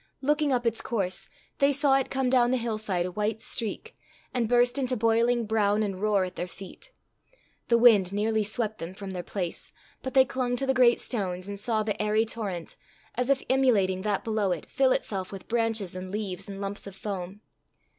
Looking up its course, they saw it come down the hillside a white streak, and burst into boiling brown and roar at their feet. The wind nearly swept them from their place; but they clung to the great stones, and saw the airy torrent, as if emulating that below it, fill itself with branches and leaves and lumps of foam.